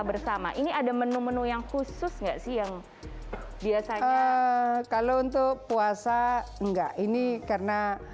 bersama ini ada menu menu yang khusus nggak sih yang biasanya kalau untuk puasa enggak ini karena